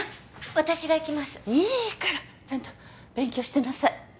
私が行きますいいからちゃんと勉強してなさい